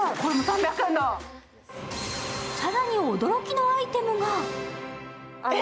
更に驚きのアイテムが。